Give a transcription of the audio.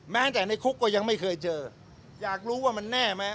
แม้แต่ในคุกก็ยังไม่เคยเจออยากรู้ว่ามันแน่ไหม